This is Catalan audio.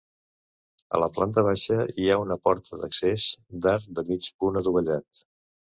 A la planta baixa hi ha una porta d'accés d'arc de mig punt adovellat.